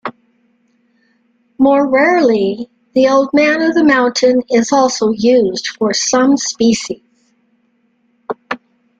More rarely, the old man of the mountain is also used for some species.